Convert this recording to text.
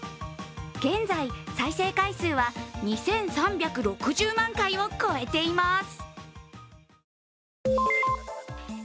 現在、再生回数は２３６０万回を超えています。